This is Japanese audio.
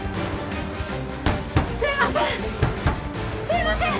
すいません！